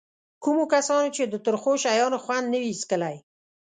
کومو کسانو چې د ترخو شیانو خوند نه وي څکلی.